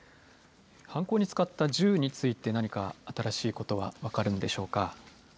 犯行に使った銃について何か新しいことは分かるんでしょうか。